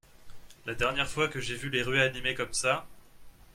La dernière fois que j’ai vu les rues animées comme ça